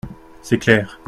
C’est clair.